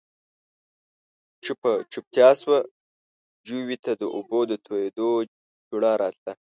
چوپه چوپتيا شوه، جووې ته د اوبو د تويېدو جورړا راتله.